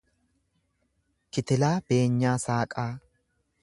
Kitilaa Beenyaa Saaqaa